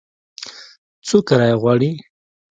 څو کرایه غواړي ؟